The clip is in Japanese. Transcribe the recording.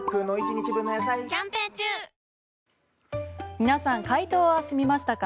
皆さん、解答は済みましたか？